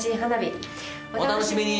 お楽しみに！